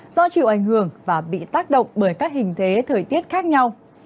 do chịu ảnh hưởng và bị tác động bởi các hình thế thời tiết khác nhau